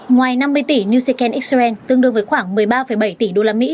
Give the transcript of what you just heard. ngoài năm mươi tỷ new second israel tương đương với khoảng một mươi ba bảy tỷ đô la mỹ